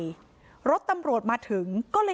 นางศรีพรายดาเสียยุ๕๑ปี